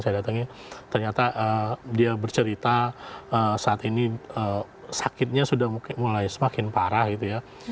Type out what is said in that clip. saya datangin ternyata dia bercerita saat ini sakitnya sudah mulai semakin parah gitu ya